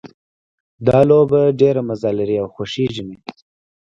دا لوبه ډېره مزه لري او خوښیږي مې